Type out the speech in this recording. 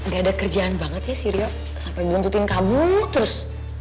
gak ada kerjaan banget ya si rio sampe buntutin kamu terus